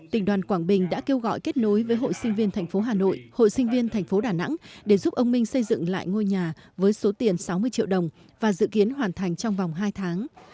tỉnh đoàn quảng bình đã kêu gọi kết nối với hội sinh viên thành phố hà nội hội sinh viên thành phố đà nẵng để giúp ông minh xây dựng lại ngôi nhà với số tiền sáu mươi triệu đồng và dự kiến hoàn thành trong vòng hai tháng